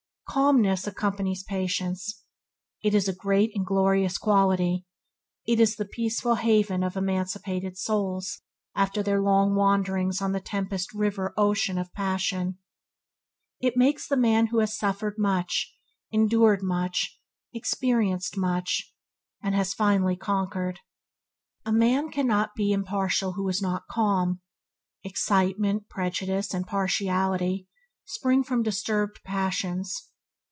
Calmness accompanies patience. It is a great and glorious quality. It is the peaceful haven of emancipated souls after their long wanderings on the tempest riven ocean of passion. It makes the man who has suffered much, endured much, experienced much, and has finally conquered. A man cannot be impartial who is not calm. Excitement, prejudice, and partiality spring from disturbed passions.